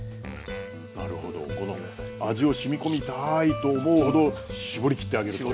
なるほどこの味をしみこみたいと思うほど絞りきってあげると。